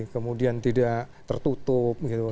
kemudian tidak tertutup gitu